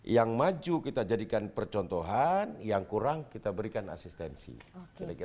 yang maju kita jadikan percotohan yang kurang kita berikan asistensi